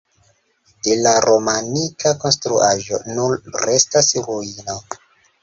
De la romanika konstruaĵo nur restas ruino.